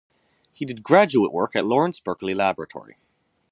He did graduate work at Lawrence Berkeley Laboratory.